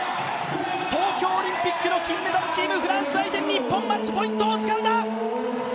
東京オリンピックの金メダルチーム、フランス相手に日本、マッチポイントをつかんだ！